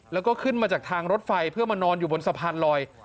แล้วก็ขึ้นมาจากทางรถไฟเพื่อมานอนอยู่บนสะพานลอย